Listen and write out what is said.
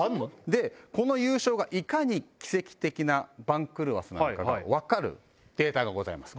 でこの優勝がいかに奇跡的な番狂わせなのかが分かるデータがございます